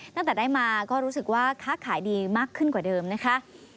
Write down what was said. ตั้งแต่ได้มาก็รู้สึกว่าค้าขายดีมากขึ้นกว่าเดิมนะคะ